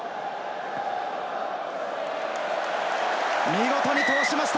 見事に通しました。